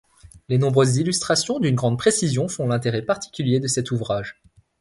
Les nombreuses illustrations d'une grande précision font l'intérêt particulier de cet ouvrage.